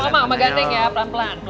mama ganteng ya pelan pelan